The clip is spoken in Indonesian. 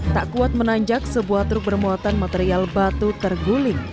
tak kuat menanjak sebuah truk bermuatan material batu terguling